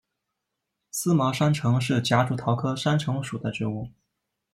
思茅山橙是夹竹桃科山橙属的植物。